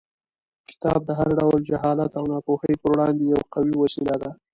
کتاب د هر ډول جهالت او ناپوهۍ پر وړاندې یوه قوي وسله ده.